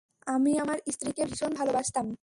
আমি আমার স্ত্রীকে ভীষণ ভালোবাসতাম।